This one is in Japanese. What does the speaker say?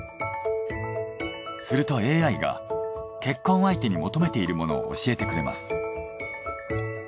するとＡＩが結婚相手に求めているものを教えてくれます。